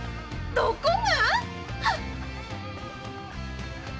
どこが？